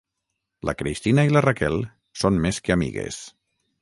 La Cristina i la Raquel són més que amigues.